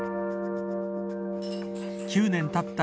９年たった